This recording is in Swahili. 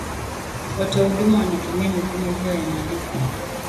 watoa huduma wanatumia mifumo hiyo ya malipo